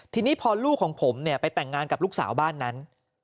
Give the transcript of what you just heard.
ทีนี้พอลูกของผมเนี่ยไปแต่งงานกับลูกสาวบ้านนั้น